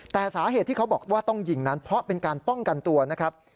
แต่สาเหตุที่เขาบอกว่าต้องยิงนั้นเพราะเป็นการป้องกันตัวนะครับ